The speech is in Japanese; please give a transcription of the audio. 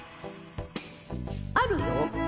あるよ。